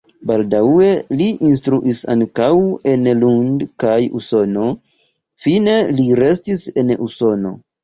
Baldaŭe li instruis ankaŭ en Lund kaj Usono, fine li restis en Usono.